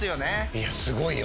いやすごいよ